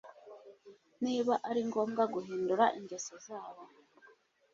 Niba ari ngombwa guhindura ingeso zabo